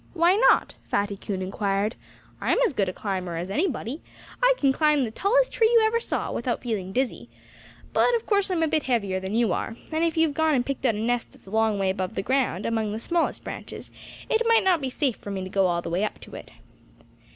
"Why not?" Fatty Coon inquired. "I'm as good a climber as anybody. I can climb the tallest tree you ever saw, without feeling dizzy. But of course I'm a bit heavier than you are. And if you've gone and picked out a nest that's a long way above the ground, among the smallest branches, it might not be safe for me to go all the way up to it."